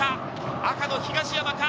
赤の東山か？